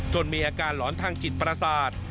มีอาการหลอนทางจิตประสาท